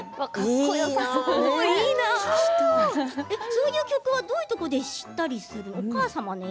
そういう曲はどういうところで知ったりするの？